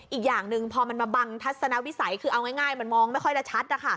อีกอย่างหนึ่งพอมันมาบังทัศนวิสัยคือเอาง่ายมันมองไม่ค่อยได้ชัด